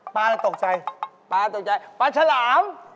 ป้าอะไรตกใจต้องใจป่าฉล่าม